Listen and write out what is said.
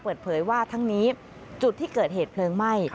เปิดเผยว่าทั้งนี้จุดที่เกิดเหตุเพลิงไหม้